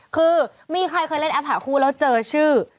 คือมีใครเคยเล่นแอปหาคู่แล้วเจอชื่อ